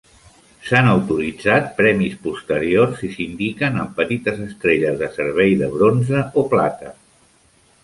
S'han autoritzat premis posteriors i s'indiquen amb petites estrelles de servei de bronze o plata.